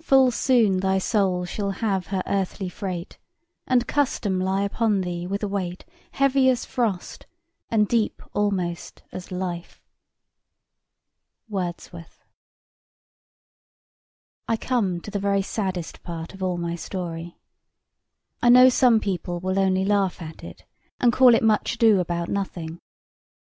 Full soon thy soul shall have her earthly freight, And custom lie upon thee with a weight Heavy as frost, and deep almost as life." WORDSWORTH. [Picture: The Officer and a crying child] HERE I come to the very saddest part of all my story. I know some people will only laugh at it, and call it much ado about nothing.